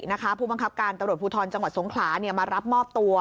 นะคะผู้บังคับการตรวจภูทรจังหวัดสงขลาเนี่ยมารับมอบตัว